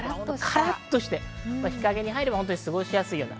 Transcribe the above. カラっとして日陰に入れば過ごしやすい。